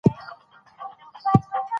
پټه صدقه تر ښکاره صدقې غوره ده.